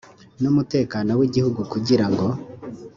n umutekano w igihugu kugira ngo